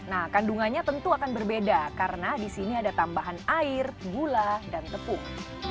nah kandungannya tentu akan berbeda karena di sini ada tambahan air gula dan tepung